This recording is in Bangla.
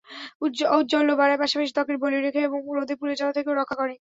ঔজ্জ্বল্য বাড়ায়, পাশাপাশি ত্বকের বলিরেখা এবং রোদে পুড়ে যাওয়া থেকেও রক্ষা করে।